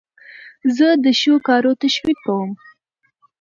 زه د ښو کارو تشویق کوم.